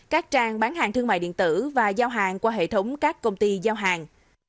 các trang bán hàng thương mại điện tử và giao hàng qua hệ thống các công ty giao hàng